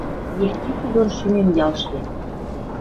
Евтихи дон шӱмем ялштен